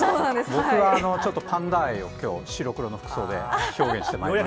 僕はちょっとパンダ愛をきょう、白黒の服装で表現してまいりました。